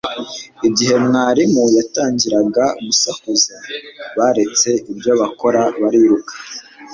Igihe mwarimu yatangiraga gusakuza, baretse ibyo bakora bariruka.